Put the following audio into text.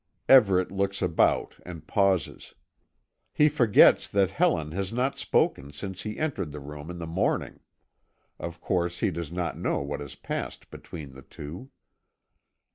Everet looks about and pauses. He forgets that Helen has not spoken since he entered the room in the morning. Of course he does not know what has passed between the two.